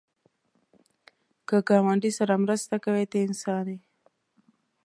که ګاونډي سره مرسته کوې، ته انسان یې